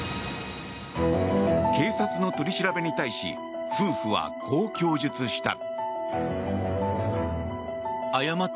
警察の取り調べに対し夫婦はこう供述した。